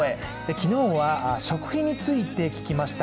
昨日は食費について聞きました。